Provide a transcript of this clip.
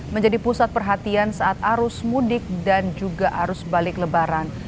menjadi pusat perhatian saat arus mudik dan juga arus balik lebaran